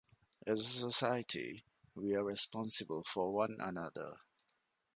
As a society we are responsible for one another.